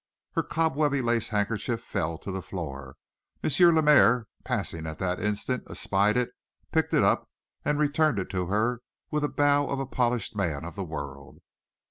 Her cobwebby lace handkerchief fell to the floor. M. Lemaire, passing at that instant, espied it, picked it up, and returned it to her with the bow of a polished man of the world.